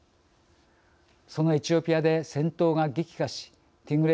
そのエチオピアで戦闘が激化しティグレ